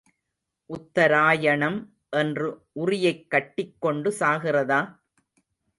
உத்தராயணம் என்று உறியைக் கட்டிக் கொண்டு சாகிறதா?